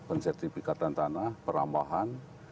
pensertifikasi tanah perambahan